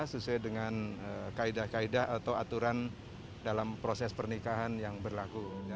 sesuai dengan kaedah kaedah atau aturan dalam proses pernikahan yang berlaku